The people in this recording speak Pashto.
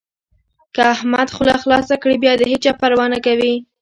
که احمد خوله خلاصه کړي؛ بيا د هيچا پروا نه کوي.